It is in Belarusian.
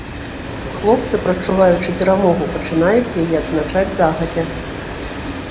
Хлопцы, прадчуваючы перамогу, пачынаюць яе адзначаць загадзя.